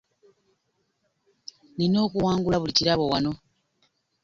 Nina okuwangula buli kirabo wano.